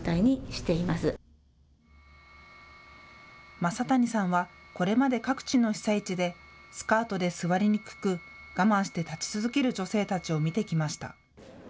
正谷さんはこれまで各地の被災地でスカートで座りにくく我慢して立ち続ける女性たちを見てきました。